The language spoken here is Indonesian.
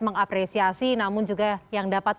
mengapresiasi namun juga yang dapat